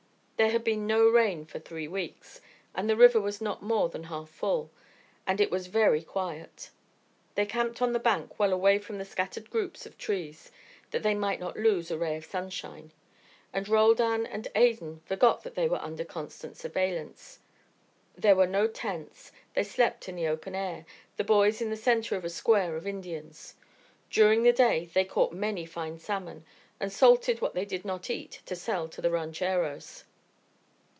There had been no rain for three weeks, and the river was not more than half full; and it was very quiet. They camped on the bank, well away from the scattered groups of trees, that they might not lose a ray of sunshine; and Roldan and Adan forgot that they were under constant surveillance. There were no tents; they slept in the open air, the boys in the centre of a square of Indians. During the day they caught many fine salmon, and salted what they did not eat, to sell to the rancheros.